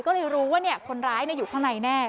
ก็เลยรู้ว่าคนร้ายอยู่ข้างในแน่